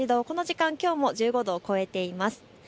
この時間きょうも１５度を超えています。